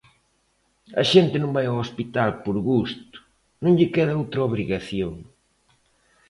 A xente non vai ao hospital por gusto, non lle queda outra obrigación.